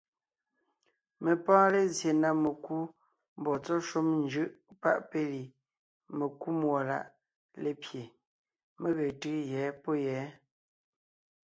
Mé pɔ́ɔn lézye na mekú mbɔɔ tsɔ́ shúm njʉ́ʼ páʼ péli, mekúmúɔláʼ lépye, mé ge tʉ́ʉ yɛ̌ pɔ̌ yɛ̌.